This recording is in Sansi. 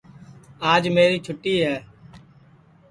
آج میری چھوٹی ہے